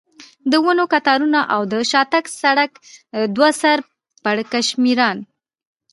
د ونو کتارونه او د شاتګ سړک، دوه سر پړکمشران.